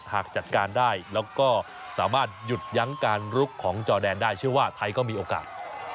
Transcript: หากจัดการได้แล้วก็สามารถหยุดยั้งการลุกของจอแดนได้เชื่อว่าไทยก็มีโอกาส